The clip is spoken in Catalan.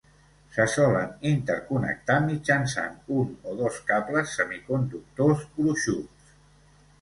Se solen interconnectar mitjançant un o dos cables semiconductors gruixuts.